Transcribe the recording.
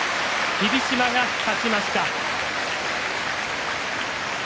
霧島が勝ちました。